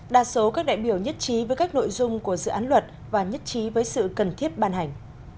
đa số các đại biểu nhất trí với các nội dung của dự án luật và nhất trí với sự cần thiết ban hành